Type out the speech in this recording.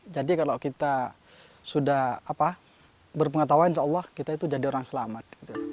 jadi kalau kita sudah berpengetahuan insya allah kita itu jadi orang selamat